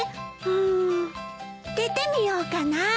うん。出てみようかなあ。